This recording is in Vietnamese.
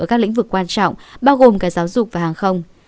ở các lĩnh vực quan trọng bao gồm cả giáo dục và hàng không